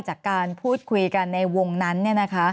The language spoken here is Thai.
จากการพูดคุยกันในวงนั้น